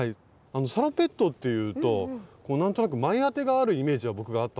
サロペットっていうと何となく前当てがあるイメージが僕はあったんですけど。